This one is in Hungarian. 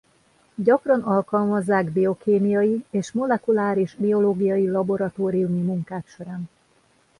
Gyakran alkalmazzák biokémiai és molekuláris biológiai laboratóriumi munkák során.